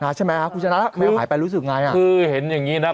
ใช่ไหมฮะคุณชนะแมวหายไปรู้สึกไงอ่ะคือเห็นอย่างงี้นะ